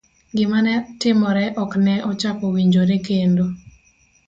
Gima ne timore ok ne ochako owinjore kendo;